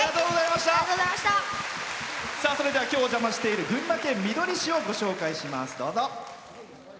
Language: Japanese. それでは今日お邪魔している群馬県みどり市をご紹介します。